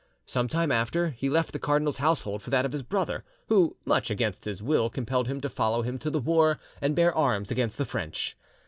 Some time after, he left the cardinal's household for that of his brother, who, much against his will, compelled him to follow him to the war and bear arms against the French.